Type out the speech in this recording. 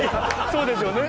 そうですよね。